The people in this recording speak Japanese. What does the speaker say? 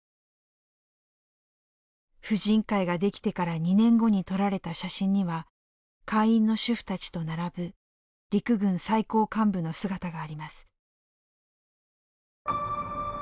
婦人会が出来てから２年後に撮られた写真には会員の主婦たちと並ぶ陸軍最高幹部の姿があります。